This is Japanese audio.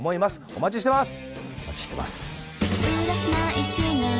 お待ちしてます。